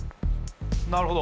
なるほど。